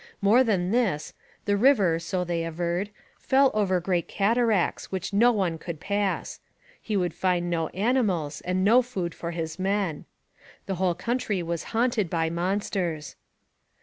More than this, the river, so they averred, fell over great cataracts which no one could pass; he would find no animals and no food for his men. The whole country was haunted by monsters.